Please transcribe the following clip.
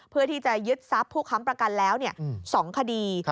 เพื่อที่จะยึดทรัพย์ผู้ค้ำประกันแล้ว๒คดี